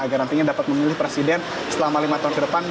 agar nantinya dapat memilih presiden selama lima tahun ke depan